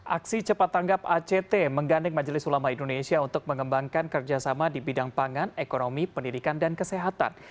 aksi cepat tanggap act menggandeng majelis ulama indonesia untuk mengembangkan kerjasama di bidang pangan ekonomi pendidikan dan kesehatan